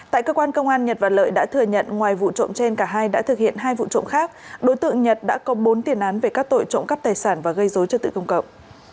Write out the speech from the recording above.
tại cơ quan công an nhật và lợi đã thừa nhận ngoài vụ trộm trên cả hai đã thực hiện hai vụ trộm khác đối tượng nhật đã có bốn tiền án về các tội trộm cắp tài sản và gây dối trật tự công cộng